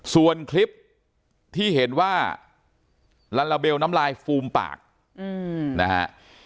ส่วนคลิปที่เห็นว่าลาลาเบลน้ำลายฟูมปากนะฮะ